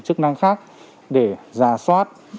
chức năng khác để giả soát